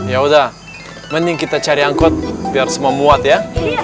ya udah mending kita cari angkut biar semua muat ya